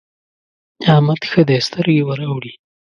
احمد ښه دی؛ سترګې ور اوړي.